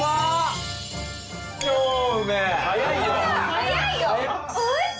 早いよ！